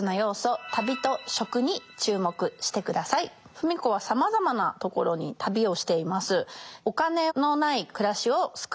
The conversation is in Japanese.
芙美子はさまざまなところに旅をしています。